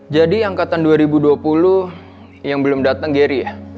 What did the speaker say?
jadi angkatan dua ribu dua puluh yang belum datang gary ya